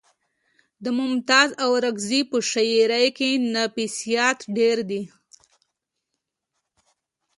د ممتاز اورکزي په شاعرۍ کې نفسیات ډېر دي